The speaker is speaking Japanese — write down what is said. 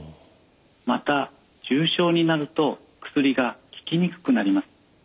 また重症になると薬が効きにくくなります。